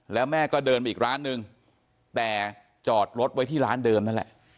แล้วแม่ก็เดินไปอีกร้านนึงแต่จอดรถไว้ที่ร้านเดิมนั่นแหละ